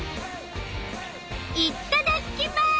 いっただきます！